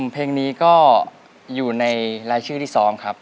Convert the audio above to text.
เพลงนี้ก็อยู่ในรายชื่อที่ซ้อมครับ